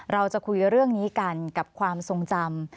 เราจะคุยเรื่องนี้กันกับความทรงจำ